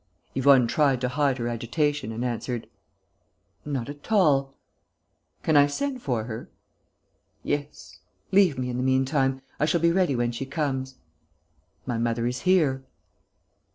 Yvonne tried to hide her agitation and answered: "None at all." "Can I send for her?" "Yes. Leave me, in the meantime. I shall be ready when she comes." "My mother is here."